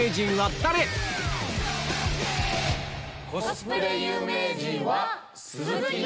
コスプレ有名人は。